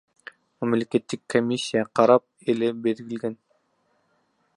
Мамлекеттик комиссия карап, элге берилген.